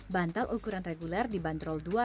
bantal ukuran reguler dibanderol dua ratus buah